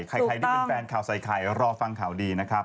ใครที่เป็นแฟนข่าวใส่ไข่รอฟังข่าวดีนะครับ